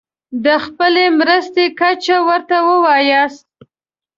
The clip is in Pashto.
د خپلې مرستې کچه ورته ووایاست.